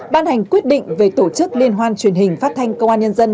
ban hành quyết định về tổ chức liên hoan truyền hình phát thanh công an nhân dân